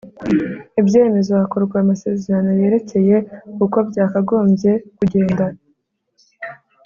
ibyemezo hakorwa amasezerano yerekeye uko byakagombye kugenda